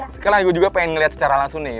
sekarang gue juga pengen ngeliat secara langsung nih